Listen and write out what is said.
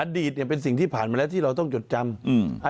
อดีตเนี่ยเป็นสิ่งที่ผ่านมาแล้วที่เราต้องจดจำ